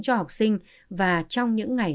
cho học sinh và trong những ngày